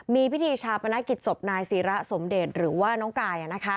มีพิธีชาปนกิจศพนายศิระสมเดชหรือว่าน้องกาย